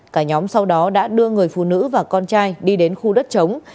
cả nhóm sau đó đã đưa người phụ nữ và con trai đi đến khu đất chống